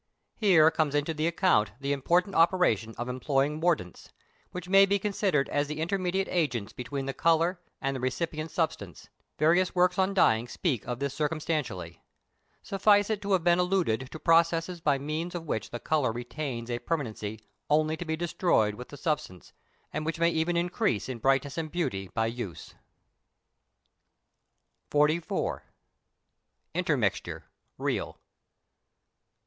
Here comes into the account the important operation of employing mordants, which may be considered as the intermediate agents between the colour and the recipient substance; various works on dyeing speak of this circumstantially. Suffice it to have alluded to processes by means of which the colour retains a permanency only to be destroyed with the substance, and which may even increase in brightness and beauty by use. XLIV. INTERMIXTURE, REAL. 551.